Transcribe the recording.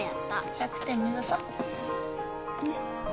１００点目指そねっ